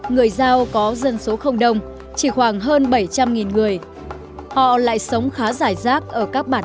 người giao có dân số không đông chỉ khoảng hơn bảy trăm linh người họ lại sống khá giải rác ở các bản